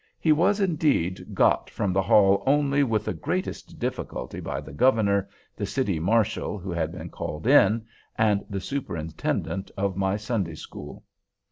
He was, indeed, got from the hall only with the greatest difficulty by the Governor, the City Marshal, who had been called in, and the Superintendent of my Sunday School.